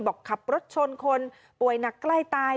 บอกขับรถชนคนป่วยหนักใกล้ตาย